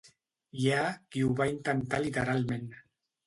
Hi ha qui ho va intentar literalment.